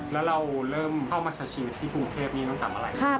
แล้วเราเริ่มเข้ามาชาชินที่กรุงเทพนี้ตั้งแต่อะไร